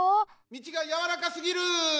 みちがやわらかすぎる！